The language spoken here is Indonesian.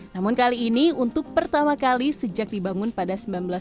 namun kali ini untuk pertama kali sejak dibangun pada seribu sembilan ratus sembilan puluh